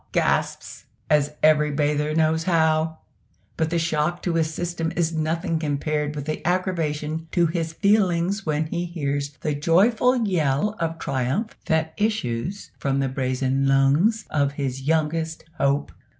gasps, as every bather knows how; but the shock to his system is nothing compared with the aggravation to his feelings when he hears the joyful yell of triumph that issues from the brazen lungs of his youngest hope.